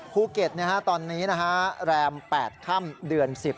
ภูเก็ตตอนนี้แรม๘ค่ำเดือน๑๐